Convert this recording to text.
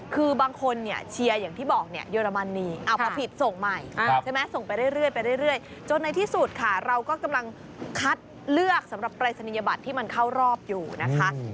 คือบางคนเชียร์อย่างที่บอกเยอรมนีเอาความผิดส่งใหม่ส่งไปเรื่อยจนในที่สุดค่ะเราก็กำลังคัดเลือกสำหรับปรายศนียบัตรที่มันเข้ารอบอยู่นะคะ